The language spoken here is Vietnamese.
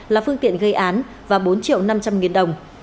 là phương tiện gây án và bốn triệu năm trăm linh nghìn đồng